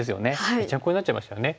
ぺちゃんこになっちゃいましたよね。